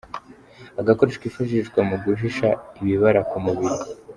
Agakoresho kifashishwa mu guhisha ibibara ku mubiri.